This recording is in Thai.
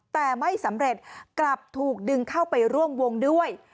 แต่ไม่สำเร็จกลับถูกดึงเข้าไปร่วมวงด้วย